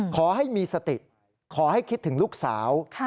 ขอให้มีสติขอให้คิดถึงลูกสาว